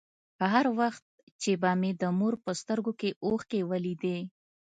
هر وخت چې به مې د مور په سترگو کښې اوښکې ولېدې.